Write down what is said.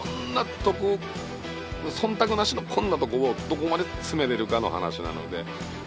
忖度なしのこんなとこをどこまで詰められるかの話なので。